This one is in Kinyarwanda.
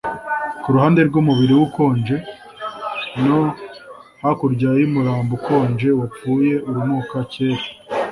kuruhande rwumubiri we ukonje, no hakurya yumurambo ukonje wapfuye urunuka kera!